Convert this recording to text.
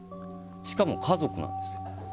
しかも家族なんです。